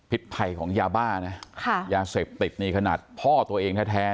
ผิดภัยของยาบ้าน่ะยาเสพเสียบติดในขนาดพ่อตัวเองแท้